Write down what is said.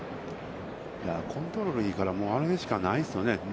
コントロールがいいからあれしかないですよね。